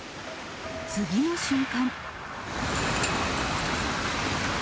次の瞬間。